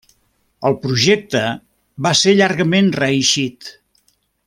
El projecte va ser llargament reeixit.